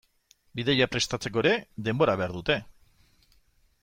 Bidaia prestatzeko ere denbora behar dute.